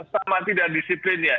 sama tidak disiplin ya